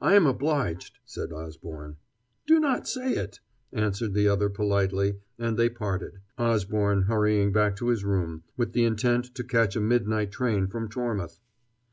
"I am obliged," said Osborne. "Do not say it," answered the other politely, and they parted, Osborne hurrying back to his room, with the intent to catch a midnight train from Tormouth.